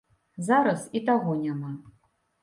Зараз і таго няма.